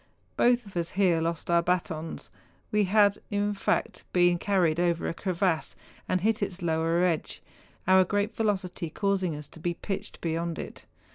Both of us here lost our batons. We had, in fact. THE PEAK OF MORTERATSCH. 55 been carried over a crevasse, had hit its lower edge, our great velocity causing us to be pitched beyond it.